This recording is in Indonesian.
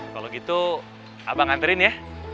kalau gitu abang nganterin ya